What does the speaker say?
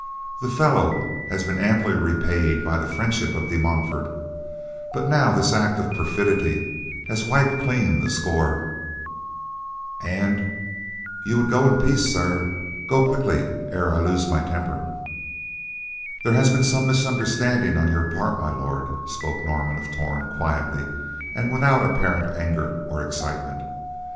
The fellow has been amply repaid by the friendship of De Montfort, but now this act of perfidy has wiped clean the score. An' you would go in peace, sirrah, go quickly, ere I lose my temper." "There has been some misunderstanding on your part, My Lord," spoke Norman of Torn, quietly and without apparent anger or excitement.